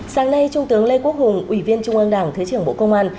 sáng nay trung tướng lê quốc hùng ủy viên trung ương đảng thứ trưởng bộ công an